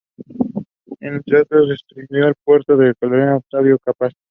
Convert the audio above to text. Entre otros, destituyó de su puesto al coronel Osvaldo Capaz.